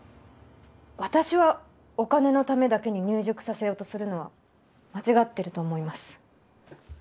私はお金のためだけに入塾させようとするのは間違ってると思います。